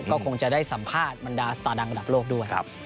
ก็คงจะได้สัมภาษณ์บรรดาสตาร์ดังระดับโลกด้วย